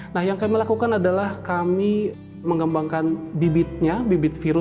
nah yang kami lakukan adalah kami mengembangkan polio generasi baru